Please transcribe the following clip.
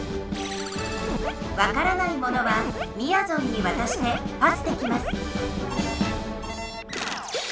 わからないものはみやぞんにわたしてパスできます